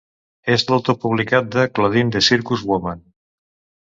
És l'autor publicat de "Claudine The Circus Woman".